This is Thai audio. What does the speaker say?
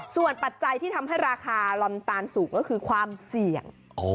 ส่วนปัจจัยที่ทำให้ราคาลอมตาลสูงก็คือความเสี่ยง